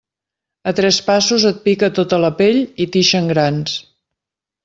A tres passos et pica tota la pell i t'ixen grans.